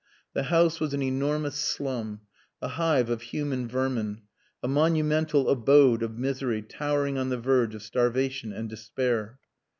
The house was an enormous slum, a hive of human vermin, a monumental abode of misery towering on the verge of starvation and despair.